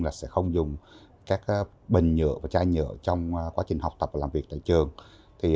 là sẽ không dùng các bình nhựa và chai nhựa trong quá trình học tập và làm việc tại trường